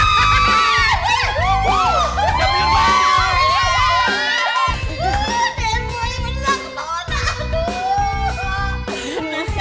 nanti kita harus hajar boy dan anak anak aja ya